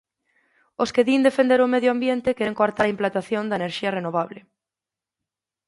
Os que din defender o medio ambiente queren coartar a implantación da enerxía renovable.